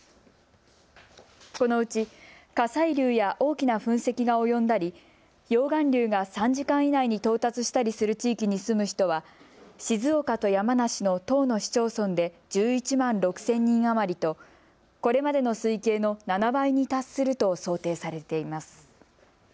このうち火砕流や大きな噴石が及んだり溶岩流が３時間以内に到達したりする地域に住む人は静岡と山梨の１０の市町村で１１万６０００人余りとこれまでの推計の７倍に達すると想定されています。